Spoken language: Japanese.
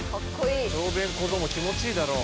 小便小僧も気持ちいいだろう